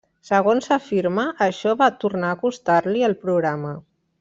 Segons afirma, això va tornar a costar-li el programa.